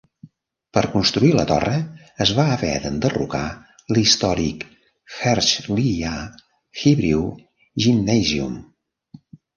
Per construir la torre, es va haver d'enderrocar l'històric Herzliya Hebrew Gymnasium.